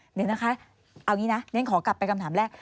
เดี๋ยวนะคะเอางี้นะเรียนขอกลับไปคำถามแรก